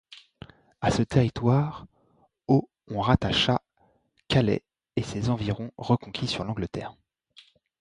À ce territoire, au on rattacha Calais et ses environs reconquis sur l'Angleterre.